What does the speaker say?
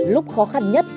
lúc khó khăn nhất